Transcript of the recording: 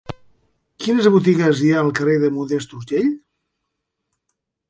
Quines botigues hi ha al carrer de Modest Urgell?